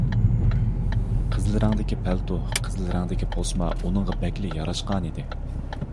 قىزىل رەڭدىكى پەلتو، قىزىل رەڭدىكى پوسما ئۇنىڭغا بەكلا ياراشقانىدى.